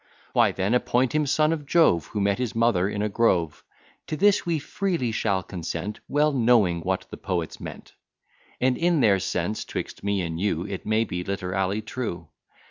Why, then, appoint him son of Jove, Who met his mother in a grove; To this we freely shall consent, Well knowing what the poets meant; And in their sense, 'twixt me and you, It may be literally true.